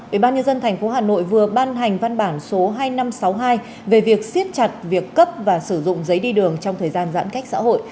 ubnd tp hà nội vừa ban hành văn bản số hai nghìn năm trăm sáu mươi hai về việc siết chặt việc cấp và sử dụng giấy đi đường trong thời gian giãn cách xã hội